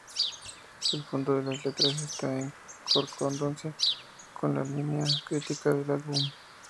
El fondo de las letras está en concordancia con la línea crítica del álbum.